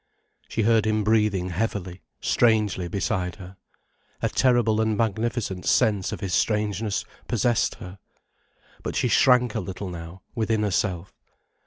She heard him breathing heavily, strangely, beside her. A terrible and magnificent sense of his strangeness possessed her. But she shrank a little now, within herself.